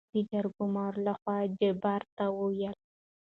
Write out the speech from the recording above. دجرګمارو لخوا جبار ته وويل: